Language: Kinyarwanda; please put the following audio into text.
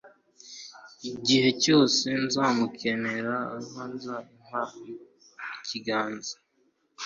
igihe cyose nzamukenera, azahora ampa ikiganza